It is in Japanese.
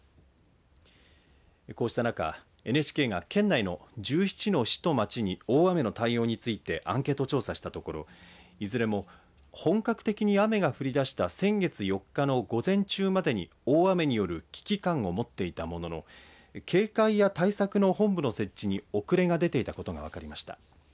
こうした中、ＮＨＫが県内の１７の市と町に大雨の対応についてアンケート調査したところいずれも本格的に雨が降りだした先月４日の午前中までに大雨による危機感を持っていたものの警戒や対策の本部の設置に遅れが出ていたことが分かりました。